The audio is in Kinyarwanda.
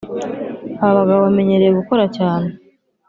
aba bagabo bamenyereye gukora cyane. (